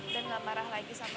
dan nggak marah lagi sama kita